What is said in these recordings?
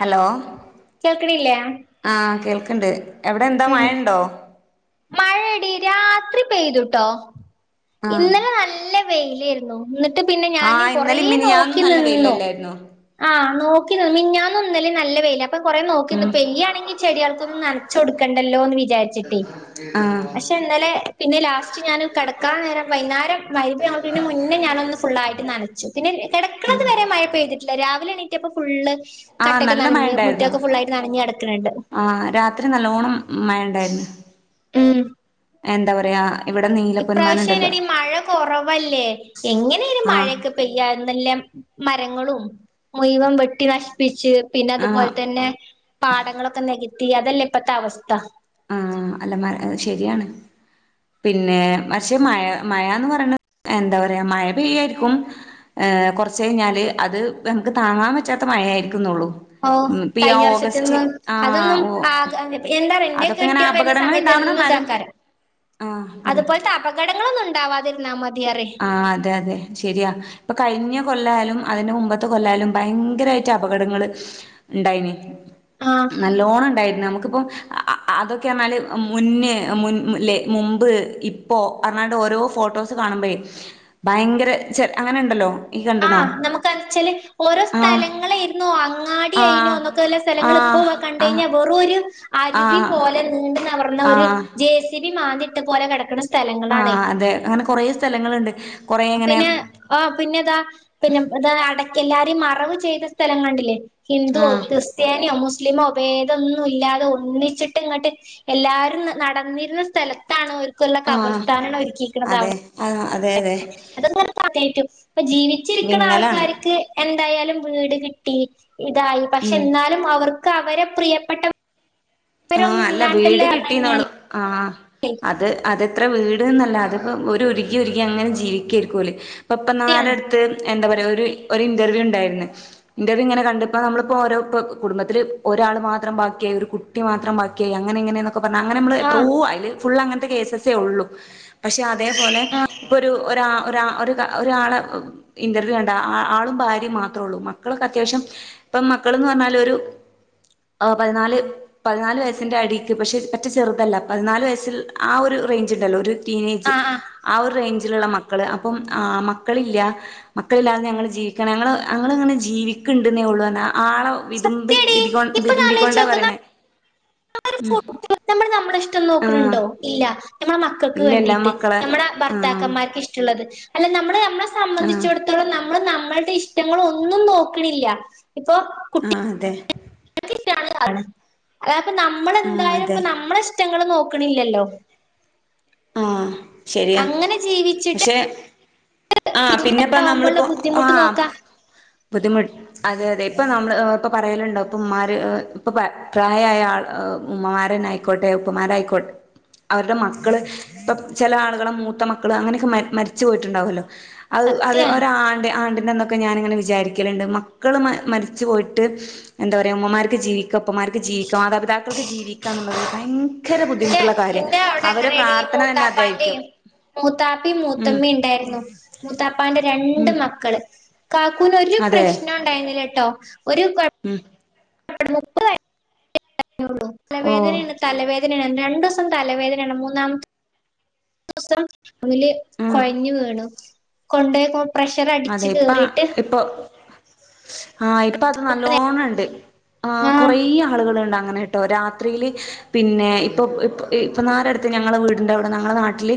Hello കേൾക്കണില്ലേ ആ കേൾക് എന്ത് അവിടെ എന്താ മഴ ഇണ്ടോ മഴയെടി രാത്രി പെയ്ത്ട്ടോ ആഹ് ഇന്നലേ നല്ല വെയ്ലേർന്നു ന്നട്ട് പിന്നെ ഞാന് ആഹ് കൊറേ ഇന്നലിം മിനിയാന്നും നോക്കി നല്ല നിന്നു വെയിലല്ലായിരുന്നോ ആ നോ മിഞ്ഞാന്നും ഇന്നലിം നല്ല വെയില ഇപ്പൊ കൊറേ നോക്കിന്നു പെയ്യാണെങ്കിൽ ചെടിയാൾക്കൊന്നും നനച്ചോട്ക്കണ്ടല്ലോന്ന് വിചാർച്ച്ട്ട് ആഹ് പക്ഷെ ഇന്നലെ പിന്നെ ലാസ്റ്റ് ഞാൻ കെട്ക്കാൻ നേരം വൈന്നാരം മഗ്‌റി ബാങ്കൊട്ക്കണേ മുന്നേ ഞാനൊന്ന് ഫുള്ളായിട്ട് നനച്ചു. പിന്നെ കിടക്ക്ണത് വരെ മഴ പെയ്തിട്ടില്ല രാവിലെ എ ണീറ്റപ്പ ഫുള്ള് കട്ടൊക്കെ ആനല്ല മഴ നനഞ്ഞ് ഉണ്ടായിർന്നു മുറ്റൊക്കെ ഫുള്ളായിട്ട് നനഞ്ഞ് കിടക്കണണ്ട് ആ രാത്രി നല്ലോണം മഴ ഉണ്ടായിർന്നു എന്താ പറയാ ഇവിടെ നീലപ്പൊന്മാനുണ്ടല്ലോ ഇപ്രാവശ്യനടീ മഴ കൊറവല്ലേ എങ്ങനെലും ആഹ് മഴക്കെ പെയ്യന്നല്ലേ മരങ്ങളും മുഴുവം വെട്ടി നശിപ്പി ച്ച് പിന്നെ ആഹ് അതുപോലെതന്നെ പാടങ്ങളൊക്കെ നെക ത്തി അതല്ലെ ഇപ്പത്തെ അവസ്ഥ ആ അല്ല മ ശരിയാണ് പിന്നെ പക്ഷെ മഴ മഴന്ന് പറയണ എന്താ പറയാ മഴ പെയ്യായിർക്കും ഏ കൊർച്ച് കഴിഞ്ഞാല് അത് നമ്മക്ക് താങ്ങാൻ പറ്റാത്ത മഴായിരി ഓ കഴിഞ്ഞ വർഷത്തിൽന്ന് ആ അതൊന്നും ഓ ആ [unintelligible] [unintelligible] എന്റെ അതൊക്കെ ഇങ്ങനെ കെട്ടിയോൻ വരുന്ന അപകടങ്ങൾ സമയത്ത് ഉണ്ടാവണ എന്നും മരം ഇതാക്കാരം ആ അതുപോൽത്തെ അപകടങ്ങളൊന്നും ഉണ്ടാവാതിരുന്നാ മതി ആ അതെ അതെ ശരിയാ ഇപ്പൊ കഴിഞ്ഞ കൊല്ലാലും അതിന്റെ മുമ്പത്തെ കൊല്ലാലും ഭയങ്കരായിട്ട് അപകടങ്ങള് ഇണ്ടായീനി ആഹ് നല്ലോണം ഇണ്ടായി നമുക്കിപ്പം അ അതൊക്കെ പറഞ്ഞാല് മുന്നേ മും മുമ്പ് ഇപ്പോ അർഞ്ഞാണ്ട് ഓരോ ഫോട്ടോസ് കാണുമ്പോയേ ഭയങ്കര ചെ അങ്ങനെണ്ടല്ലോ ആ നമുക്കാന്ന് ചെലെ ഓരോ ആഹ് സ്ഥലങ്ങലേർന്നു അങ്ങാടിയെയ്ഞ്ഞു ആഹ് എന്നൊക്കെ വല്ല സ്ഥലങ്ങൾ ഇപ്പോ ആഹ് ആഹ് കണ്ടഴിഞ്ഞാ വെറോരു അരുവി ആഹ് പോലെ [unintelligible] [unintelligible] ഒരു ആഹ് ജെ സി ബി മാന്തി ഇ പോലെ കിടക്ക ആഹ അതെ അങ്ങനെ കൊറെ സ്ഥലങ്ങളുണ്ട് കൊറേ ഇങ്ങനെ പിന്നെ ആ പിന്നെതാ പിന്നെതാ എല്ലാരും മറവ് ചെയ്ത സ്ഥലം കണ്ടില്ലേ ഹിന്ദു ആഹ് ക്രിസ്ത്യനിയോ മുസ് മുസ്ലിമോഭേദൊന്നും ഇല്ലാതെ ഒന്നിച്ചിട്ട് ഇങ്ങോട്ട് എല്ലാരും നടന്നിരുന്ന സ്ഥലത്താണ് ക്കുള്ള ആഹ് കബർസ്ഥാനാണ് ഒരുക്കിയിരിക്കുന്നത് അതെ അവിടെ ആഹ് അതെ അതെ [unintelligible] അപ്പ ജീവിച്ചിരിക്കുന്ന വിങ്ങലാണ് ആൾക്കാർക്ക് എന്തായാലും വീട് കിട്ടി ഇതായി പക്ഷെ ഉം എന്നാലും അവർ ക്ക്അവരെ പ്രിയപ്പെട്ട ആഹ അല്ല വീട് കിട്ടീന്നോളു ആഹ അത് അത് അത്രം വീടന്നല്ല അതിപ്പോ ഒരുരുകി ഉരുകി അങ്ങനെ ജീവിക്കായിരിക്കുംല്ലേ പ്പം ഇപ്പം സത്യാണ് നാടെടുത്ത് എന്താ പറയയാ ഒരു ഇന്റർവ്യൂ ഉണ്ടായിരുന്നു ഇന്റർവ്യൂ ഇങ്ങനെ കണ്ടപ്പോ നമ്മളിപ്പോ ഓരോ കുടുംബത്തില് ഒരാൾ മാത്രം ബാക്കിയായി ഒരു മാത്രം ബാക്കിയായി അങ്ങന എങ്ങനെയ ഒക്കെ പറഞ്ഞാ അങ്ങനെ നമ്മൾ എത്രോ ആഹ് അയില് ഫുൾ അങ്ങനത്തെ കേസ്സ്സേ ഉള്ളൂ പക്ഷെ അതേപോലെ ഇപ്പൊരു ഒ ഒ ഒരാളെ ഇന്റർവ്യൂ കണ്ട ആളും ഭാര്യയും മാത്ര ഉള്ളൂ മക്കൾക്ക അത്യാവശ്യം ഇപ്പ മക്കൾന്ന് പറഞ്ഞാല് ഒരു പതിനാല് പതിനാല് വയസ്സിന്റെ അടിക്ക് പക്ഷെ പറ്റേ ചെറുതല്ല പതിനാല് വയസ്ല് ആ ഒരു റേഞ്ച് ഉണ്ടല്ലോ ഒരു ടീനേജ് ആഹ് ആഹ് ആ ഒരു റെയ്ഞ്ച് ലുള്ള മക്കള് അപ്പം ആ മക്കളില്ല മക്കളില്ലാതെ ഞങ്ങൾ ജീവിക്ക ഞങ്ങ ഞങ്ങ ഇങ്ങനെ ജീവിക്കണ്ടെന്നേ ഉള്ളൂ ആളെ വിതുമ്പി സത്യാടി വിതുമ്പി കൊ ഇപ്പൊ വിതുമ്പികൊണ്ട ആലോചിച്ചോക്ക് പറയണെ [unintelligible] നമ്മൾ നമ്മുടെ ഇഷ്ടംന്ന് ആഹ് നോക്കണണ്ടോ ഇല്ല നമ്മള മക്കൾക്ക് ഇല്ലല്ല വേണ്ടിട്ട് മക്കളെ നമ്മടെ ആഹ് ഭർത്താക്കന്മാർക്ക് ഇഷ്ടള്ളത് അല്ല നമ്മടെ നമ്മടെ ആഹ് സംബന്ധിച്ചിടത്തളം നമ്മള് നമ്മളുടെ ഇഷ്ടങ്ങളാന്നും നോക്കണില്ല ആഹ അതെ [unintelligible] കാരണം അത അപ്പ ആഹ് നമ്മളെന്തായാലും അതെ ഇപ്പ നമ്മളെ ഇഷ് ടങ്ങള് നോക്കണില്ലല്ലോ ആഹ്. ശരിയാ അങ്ങനെ ജീവിച്ചിട്ട് പക്ഷെ ആഹ് പിന്നെപ്പോ ആവുമ്പോള്ള നമ്മള്പ്പോ ബുദ്ധിമുട്ട് ആഹ് നോക്കാ ബുദ്ധിമു അതെ അതെ ഇപ്പ നമ്മള് എഹ് ഇപ്പൊ പറയലുണ്ടാവും ഇപ്പ ഉമ്മാര് ഇ, ഇപ്പൊ പ്രായായ ആൾ ഇ ഉമ്മമാ രന്നെ ആയിക്കോട്ടെ, ഉപ്പമാരായിക്കോട്ടെ അവരുടെ മക്കള് ഇപ്പം ചെല ആള്കളെ മൂത്ത മക്കള് അങ്ങനെയൊക്കെ മ മരിച്ചു പോയിട്ടുണ്ടാവല്ലോ അത്, അത് സത്യാണ് ഒരാണ്ട് ആണ്ട്‌ ന്നൊക്കെ ഞാനങ്ങനെ വിചാരിക്കല്ണ്ട് മക്കൾ മരിച്ചു പോയിട്ട് എന്താ പറയാ ഉമ്മമാര്ക്ക് ജീവിക്ക, ഉപ്പമാര്ക്ക് ജീവിക്ക മാതാപിതാക്കൾക്ക് ജീവിക്കാന്നുള്ളത് ഭയങ്കര ബുദ്ധിമുട്ട് ള്ള കാര്യാ അവരെ പ്രർത്ഥ മുത്താപ്പാന്റേം. മൂത്താപ്പി, ഉം മൂത്തമ്മീ ണ്ടായിര്ന്നു. മൂത്താപ്പാന്റെ രണ്ട് ഉം മക്കള് കാക്കൂന് ഒരു അതെ പ്രശ്നുണ്ടായിന്നിലട്ടോ ഒരു കൊഴ ഉം [unintelligible] ഒള്ളൂ ഓ തലവേദന്യാണ് തലവേദന്യാണ് രണ്ട് സ് സം തലവേദനേണ്. മൂന്നാമത്തെ വസം അവല് ആഹ് കൊഴഞ്ഞ് വീണു. കൊണ്ടേയ്ക്കോ പ്രഷർ അതെ അടിച്ച് ഇപ്പ കേറീട്ട് ഇപ്പൊ ആഹ് ഇപ്പ അത് നല്ലോണം ഉണ്ട് ആ ആഹ് കൊറെ ആളുകൾ ഇണ്ട് അനെട്ടോ രാത്രിയില് പിന്നെ ഇപ്പം ഇപ്പം ഇപ്പന്നാരെ അടുത്ത് ഞങ്ങളെ വീട്ന്റെ അവടെ ഞങ്ങളുടെ നാട്ടിൽ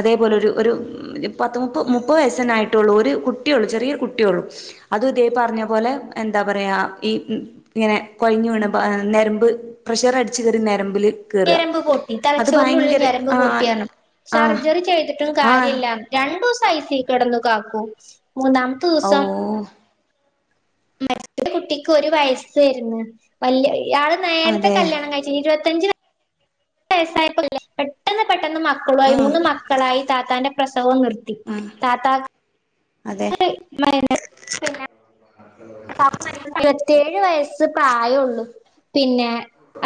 അതേപോലെ ഒരു ഒരു പത്ത് മുപ്പ മുപ്പത് വയസന്നായിട ട്ടൊള്ളു ഒരു കുട്ടിയൊള്ളു ചെറിയൊരു കുട്ടിയൊള്ളു അതും ഇതേ പർഞ്ഞ പോലെ എന്താ പറയാ ഈ ഇങ്ങനെ കൊഴഞ്ഞു വീണ് പ്പൊ നെരമ്പ് പ്രഷർ അടിച്ച്കേറി നെ രമ്പില് ഞരമ്പ് പൊട്ടി. തലച്ചോറിനുള്ളി ഞരമ്പ് ആഹ് പൊട്ടിയറഞ്ഞു ആഹ് സർജറി ചെയ്തിട്ടും ആഹ് കാര്യല്ലാന്ന്. രണ്ടൂസം ഐസ കെടന്നു കാക്കൂ മൂന്നാമത്തെ ഓ ദുസം മറ്റേ കുട്ടിക്ക് ഒരു വയസ്സേര്ന്നു. വല്യെ ഇയാള് നേരത്തെ അതെ കല്യാണം കഴിച്ചിന് ഇരുപത്തി ത്തഞ്ച് വയസ്സായാപ്പോ കല്ല്യാണം പെട്ടന്ന് പെ പെട്ടന്ന് മക്കളു ആയി ഉം മൂന്ന് മക്കളായി താത്താന്റെ പ്രസവോം നിർത്തി. ഉം താത്താക്ക് അതെ. എ ഏഴ് വയസ്സ് പ്രായള്ളു. പിന്നെ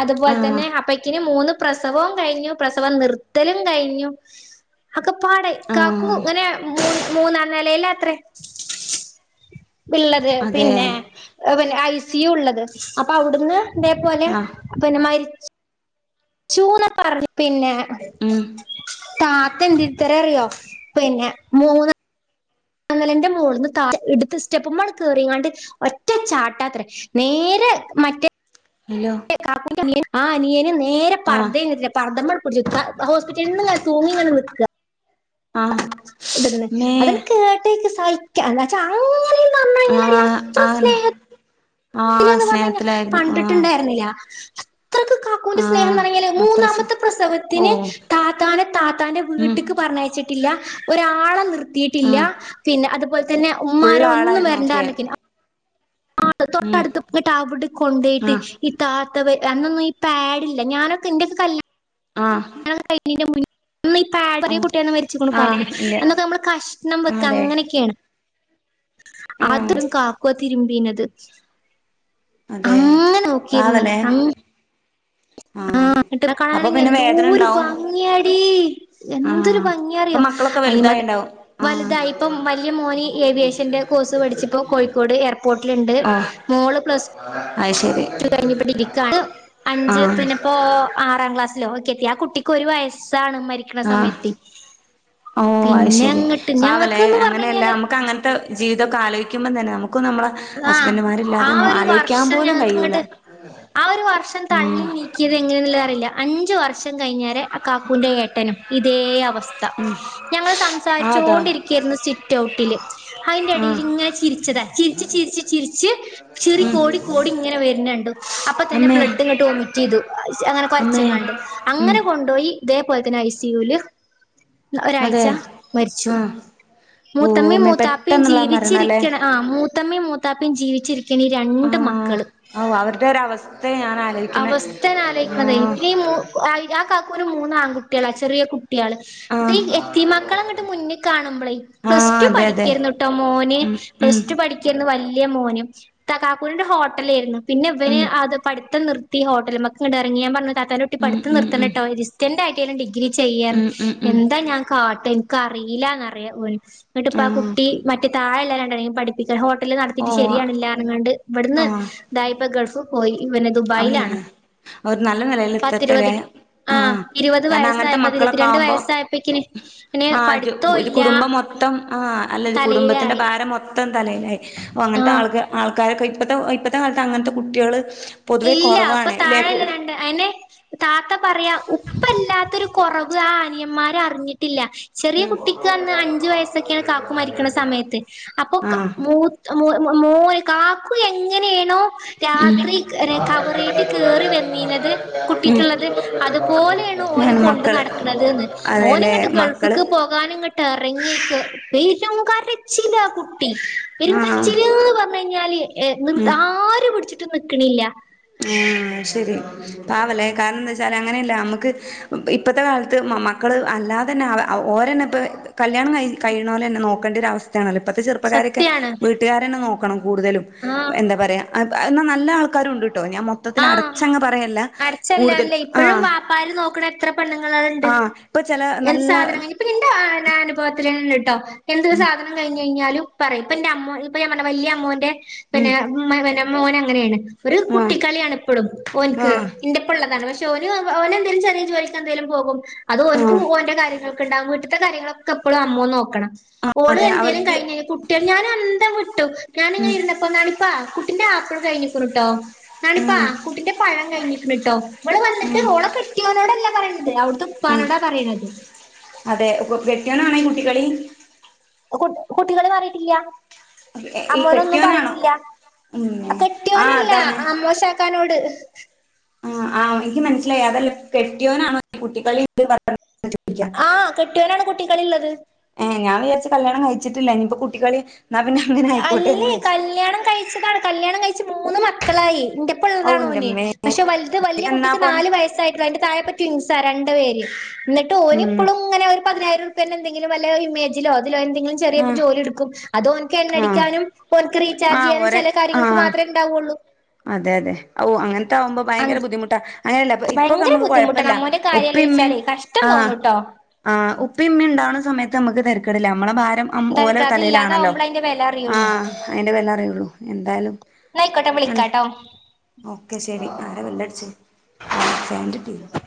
അത്പോലെ ആഹ് തന്നെ അപ്പക്കിന് മൂന്ന് പ്രസവോം കഴിഞ്ഞു പ്രസവം നിർത്തലും കഴിഞ്ഞു. അക്കെ പാടെ കാക്കു ആഹ് ഇങ്ങനെ മൂന്നാം നെലാല്ലാത്രേ, ത്ള്ളേ. അതെ പിന്നേ, അവന് ഐസ് സി യു ഉള്ളത്. അപ്പൊ അവിടുന്ന് അതേപോലെ, ആഹ് പിന്നെ മരി ച്ചൂന്ന് പറഞ്ഞ പിന്നെ ഉം താത്ത എന്തിര്ത്തററിയോ? പിന്നെ മൂന്ന് ന്നാ നെലന്റെ മോള്ന്ന് താത്ത് എട്ത്ത് സ്റ്റപ്പ്മ്മേ കേറിയങ്ങാണ്ട് ഒറ്റ ചാട്ടാത്രേ. നേരെ മറ്റേ ഹലോ [inaudible] ആ അനിയനും നേ നേരെ ആഹ് പർദയാ, പർദമ്മ പിടിച്ചു. പ ഹോസ്പിറ്റലിന്ന് ഇങ്ങനെ തൂങ്ങി ഇങ്ങനെ നിക്കാ. ആഹ് അതന്നെ. മേ അതന് കേട്ടേക്ക് സ ഒയ്ക്ക. എന്നാച്ചാ അങ്ങനെ ആഹ് ആന്നെ ന്ന് പറഞ്ഞയിഞ്ഞ കണ്ടിട്ട്ണ്ടായിര്ന്നില്ല. ത്രക്ക് കാക്കൂന്റെ സ്നേഹംന്ന് ആഹ് പറഞ്ഞയിഞ്ഞാല്, അത്ര സ് മൂന്നാമത്തെ പ്രസവത്തിന് ഓഹ് താത്താനെ താത്താന്റെ ഉം വീട്ട്ക്ക് പറഞ്ഞയച്ചിട്ടില്ല. ഒരാളെ നിർ ത്തീട്ടില്ല. ആഹ് പിന്നെ അത്പോലത്തന്നെ ഫുള്ള് ഉമ്മാരോടൊന്നും ആളായിരുന്നു ഒക്കെ വരണ്ടാറഞ്ഞിക്കില്ല. ആ ഉം തൊട്ടട്ത്ത് വീട്ട് അവിടെ കൊണ്ടയിട്ട് ആഹ് ഈ താ ത്തത്. അന്നൊന്നും ഈ പാഡില്ല. ഞാനൊക്കെ എന്റെക്ക കൽ ആഹ് [inaudible] ന്നു ഈ പാടൊരു ഉം കുട്ടിയന്ന് മരിച്ചിക്ക്ണു ആഹ് കാക്കൂം. ഇല്ല അന്നൊക്കെ നമ്മൾ കഷ്ണം വെക്ക അതെ അങ്ങനെയൊക്കെയാണ്. ആഹ് അതും കാക്കുവാ തിരുമ്മ് പീനത് അതെ? പാവല്ലേ? ആ ആഹ് ഇത്താനെ അപ്പൊ കാണാനെങ്കിൽ പിന്നെ വേദന എന്നോരു ഉണ്ടാവും ഭംഗിയാടി എന്തൊരു ആഹ് ഇപ്പൊ ഭംഗിയാന്നറിയോ മക്കളൊക്കെ അ വലുതായിണ്ടാവും വലുതായി ഇപ്പം വലിയ മോനി ഏവിയേഷന്റെ കോഴ്സ് പഠിച്ചപ്പോ കോഴിക്കോട് എയർപോർട്ട് ണ്ട് ആഹ് ഓ മോള് പ്ലസ് അത് ശരി കഴിഞ്ഞപ്പോരിക്കയാണ് അഞ്ച് ആഹ് പിന്നെ ഇപ്പോ ആറാം ക്ലാസ്സിലോക്കെ യാ ആ കുട്ടിക്ക് ഒരു വയസ് ആണ് മരിക്കണ ആഹ് സമയത്ത് ഓ അത് പിന്നെ ശരി അങ്ങട്ട് ഞങ്ങക്ക്ന്ന് പറഞ്ഞ കഴിഞ്ഞാല് ജീവിതമെക്കെ ആലോചിക്കുമ്പ തന്നെ നമക്ക് ആഹ് ആ ഒരു ആലോചിക്കാൻ വർഷം പോലും ഞങ്ങക്ക് കഴിയൂല ഇങ്ങട്ട് ആ ഒരു വർഷം ഉം തള്ളി നീക്കിയത് എങ്ങനെയന്നുള്ളതറിയില്ല അഞ്ചു വർഷ കഴിഞ്ഞാല് കാക്കൂന്റെ ഏട്ടനും ഇതേ അവസ്ഥ സ്ഥ ഉം ഞങ്ങള് അതാ സംസാരിച്ചോണ്ടിരിക്കായിരുന്നു സിറ്റ് ഔട്ടില് അതിന്റെ ആഹ് ഇടയിലിങ്ങനെ ചിരിച്ചതാ ചിരി ചിരിച്ച് ചിരിച്ച് ചിരിച്ച് ചിറി ഉം കോടി കോടി ഇങ്ങനെ വെരിണണ്ടു അപ്പൊ തന്നെ അമ്മേ ബ്ലഡ് ഇങ്ങട്ട് വൊമിറ്റ് ചെയ്തു, അങ്ങനെ അമ്മേ കൊരച്ചങ്ങാണ്ട് ഉം അങ്ങനെ കൊണ്ടോയി ഇതേപോലെ തന്നെ ഐസിയൂല് അതെ ഒരാഴ്ച മരിച്ചു ആഹ് മൂത്തമ്മയും ഓമ്മേ മൂത്താപ്പയും പെട്ടെന്നുള്ള മരണല്ലേ ജീവിച്ചിരിക്കണ ആഹ് മൂ മൂത്തമ്മയും മൂത്താപ്പെയും ജീവിച്ചിരി ആ ഓ അവരുടെ ഒരു അവസ്ഥ ഞാനാ അവസ്ഥയാണ് ആലോയിക്കണതേ പിന്നെ ഈ മൂ ആ ആ കാക്കു ഒരു മൂന്ന് ആൺകുട്ടികളാ ചെറിയ കുട്ട കുട്ടികള് ആഹ് [unintelligible] എത്തീം മക്കളെ അങ്ങട്ട് മുന്നി കാണുമ്പളേ പ്ലസ് ആഹ് ടു അതെ അതെ പഠിക്കരുന്നുട്ടോ മോന് ഉം ഉം പ്ലസ് ടു പഠിക്കരുന്നു വല്യ വലിയ മോനും ഇത്താ കാക്കൂനൊരു ഹോട്ടലേരുന്നു. പിന്നെ ഇവന് ഉം അത് പഠി ത്തം നിർത്തി ഹോട്ടൽമിക്ക് ഇങ്ങട് എറങ്ങി ഞാൻ പറഞ്ഞു ഇത്താത്താൻ്റെ കുട്ടി ഉം പഠിത്തം ഉം നിർത്തണ്ടാട്ടോ ഡിസ്റ്റന്റ് ആയി പിന്നെ ഡിഗ്രി ചെയ്യാൻ ഉം ഉം ഉം ഉം എന്താ ഞാൻ കാ എൻക്ക് അറിയില്ലാന്നറിയാ ഓന് എന്നിട്ടിപ്പാ ആഹ് കുട്ടി മറ്റേ താഴെ [unintelligible] പഠിപ്പി [unintelligible] ഹോട്ടല് നടത്തീട്ട് ഓഹ് ശരിയാവിണില്ലാ പറഞ്ഞാണ്ട് ഇവിടുന്ന് ഇതായിപ്പോ ഗൾഫ് പോയി പിന്നെ അത് ദുബായിലാണ് അങ്ങനെയാ, അവര് നല്ല നെലേല് എത്തട്ടെ പത്തിരുപത് ലേ ആ ആഹ് ഇരുപത് കാരണം അങ്ങൻത്തെ വയസ്സായപ്പോ മക്കളൊക്കെ ഇരുപത്തിരണ്ട് ആവുമ്പോ വയസ്സായപ്പക്കിന് പിന്നെ ആ പഠിത്തോം ഇ [unintelligible] ഇല്ല കുടുംബ മൊത്തം ആ അല്ല [unintelligible] കുടുംബത്തിന്റെ തലയിലായി ഭാരം മൊത് [unintelligible] തലേലായി അപ്പൊ അങ്ങൻത്തെ ആൾ ആഹ് ആൾക്കാരൊക്കെ ഇപ്പത്തെ ഇപ്പത്തെ കാലത്ത് അങ്ങനത്തെ കുട്ടികള് പൊതുവെ ഇല്ല അപ്പൊ കുറവാണ് ഇല്ലേ താഴെള്ള രണ്ട് അയിന് താത്ത പറയാ ഉപ്പല്ലാത്തൊരു കൊറവ് അത് ആ അനിയന്മാരറിഞ്ഞിട്ടില്ല ചെറിയ ഉം കുട്ടിക്ക് അന്ന് അഞ്ചു വയസ്സൊക്കെയാണ് കാക്കു മരിക്കണ സമയത്ത് അപ്പൊ ആഹ് മൂ മൂ മൂ [unintelligible] കാക്കു എങ്ങനെയാണോ രാത്രി [unintelligible] കബറീക്ക് കേറി വന്നീനിത് കുട്ടിക്കിള്ളത് അതുപോലെയാണ് ഓന് ആണ് കൊണ്ടു മക്കള് നടക്കണത്ന്ന്, ഓന് അതെല്ലേ ഇങ്ങട്ട് മക്കള് ഗൾഫിക്ക് പോകാനിങ്ങട്ട് എറങ്ങി [unintelligible] പിന്നെ ഓൻ കരച്ചിലാ കുട്ടി വെറും ആ കരച്ചില് പറഞ്ഞ് കഴിഞ്ഞാല് നിർത്താ ആര് പിടിച്ചിട്ടും ക്കണില്ല ആഹ് അയ്ശെരി പാവല്ലെ കാരണം എന്താച്ചാല് അങ്ങനെയല്ല നമുക്ക് ഇപ്പത്തെ കാലത്ത് മ മക്കള് അല്ലാതെ തന്നെ അവ ഓര് തന്നെ ഇപ്പോ കല്യാണം കഴി കഴിയുണോരെന്നെ നോക്കേണ്ട ഒരവസ്ഥ സ്ഥയാണല്ലോ ഇപ്പത്തെ ചെറുപ്പക്കാരെയൊക്കെ സത്യാണ് വീട്ടുകാരന്നെ നോക് കൂടുതലും ആഹ് എന്താ പറയാ ആ പ് എന്നാൽ നല്ല ആൾക്കാരുണ്ട് ആഹ് കൂടുതൽ അടച്ചല്ലാലെ ആ ഇപ്പോഴും വാപ്പമാര് നോക്കണ എത്ര പെണ്ണുങ്ങളുണ്ട് ആ ഇപ്പൊ ചെല [unintelligible] നല്ല സാധനം കഴിഞ്ഞ് ഇപ്പ ന്റെ അനുഭവത്തില് തന്നെ ഇണ്ട് ട്ടോ ഇങ്ങനെത്തൊരു ഉം സാധനം കഴിഞ്ഞ് കഴിഞ്ഞാലും പറയും ഇപ്പ എന്റെ അമ്മോ ഇപ്പൊ ഞാൻ പറഞ്ഞില്ലെ വല്യ അമ്മോന്റെ ഉം പിന്നെ ഉമ്മ ഇവനും മോൻ അങ്ങനെയാണ് ഒരു കുട് ആഹ് കുട്ടിക്കളിയാണ് ഇപ്പോഴും ഓൻക്ക് ആഹ് എന്റെപ്പുള്ളതാണ് പക്ഷ് ഓന് ഓനെന്തെങ്കിലും ചെറിയ ജോലിക്ക് എന്തേലും പോകും അത് ഓൻക്കും ആഹ് ഓന്റെ കാര്യങ്ങൾ ക്കുണ്ടാവും വീട്ട്ത്തെ കാര്യങ്ങളൊക്കെ ഇപ്പളും അമ്മോൻ നോക്കണം ആഹ് ഓള് അതെ എന്തേലും അവർക്ക് കഴിഞ്ഞ് കുട്ടിനെ ഞാൻ അന്തം വിട്ടു ഉം ഞാനിങ്ങനെ ഇരുന്നപ്പോ എന്നാണിപ്പാ കുട്ടിന്റെ ആപ്പിൾ കഴിഞ്ഞു ർട്ടോ എ ണിപ്പാ ഉം കുട്ടിന്റെ പഴം കഴിഞ്ഞിക്കിണിട്ടോ ഇവള് വന്നിട്ട് ഉം ഓളെ കെട്ടിയോനോടല്ല പറയണത് അവിടുത്തെ ഉം ഉപ്പാനോടാ പറയണത് കുട്ടികളി കു കുട്ടിക്കളി മാറീട്ടില്ല ഈ അമ്മോനൊന്നും കെട്ടിയോനാണോ പറയൂല്ല ഉം ആ ആഹ് കെട്ടിയോനല്ല അതാണ് അമ്മോശാക്കോനോട് ആ ആഹ് ഇനിക്ക് മനസ്സിലായി അതല്ല കെട്ടിയോനാണോ ഈ കുട്ടികളിണ്ട് പറഞ്ഞത് ആഹ് കെട്ടിയോനാണ് കുട്ടികളിള്ളത് ഏ ഞാൻ വിചാരിച്ച് കല്യാണം കഴി വെച്ചിട്ടില്ല ഇനിപ്പൊ കുട്ടികളി അല്ലേ കല്യാണം കഴിച്ചതാണ് കല്യാണം കഴിച് ച്ച് മൂന്ന് മക്കളായി ഔ ൻ്റപ്പള്ളതാണ് ഓന് എന്റമ്മേ പക്ഷെ വൽത് വല്യ കുട്ടിക്ക് എന്നാപ്പം നാല് വയസ്സായിട്ടുള്ളു അതിന്റെ താഴപ്പ ട്വിൻസാ രണ്ട് പേര് എന്നിട്ട് ഓന് ഉം ഇപ്പളും ഇങ്ങെനെ ഒരു പതിനായിരം ഉറുപ്പ്യൻ്റെ എന്തെങ്കിലും വൽ ലോ ഇമേജിലോ തിലോ എന്തെങ്കിലും ചെറിയ ആഹ് ജോലി എടുക്കും അതോൻ [unintelligible] ആഹ് ടിക്കാനും ചാർജ് ആഹ് ചെയ്യാനും ഒരെ ചെല കാര്യങ്ങൾക്ക് ആഹ് മാത്രേ ഇണ്ടാവൊള്ളൂ അതെ അതെ ഒ അങ്ങനെ ട്ടാവുമ്പോ ഭയങ്കര ബുദ്ധിമുട്ടാ അ ങ്ങനെയല്ല ഇപ്പൊക്ക് ഭയങ്കര നമ്മ്ക്ക് ബുദ്ധിമുട്ടാണ് കൊഴപ്പല്ല അമ്മോന്റെ കാര്യം ഉപ്പി ഇമ്മിം ആലോചിച്ചാലേ കഷ്ടം ആ തോന്നൂട്ടോ ആ ഉപ്പിമ്മി ഇണ്ടാവണ സമയത്ത് നമുക്ക് തരക്കേടില്ല നമ്മടെ ഭാ അം എന്താ ഓലോ തലയിലാണല്ലോ അതില്ലാതാവുമ്പോൾ അതിന്റെ വില ആ അറിയുള്ളൂ അയിൻ്റെ പേരില അറിയപ്പെടും എന്തായാലും എന്നായിക്കോട്ടെ വിളിക്കാട്ടോ ഓക്കെ ശരി ആ പല്ലടച്ച് [unintelligible]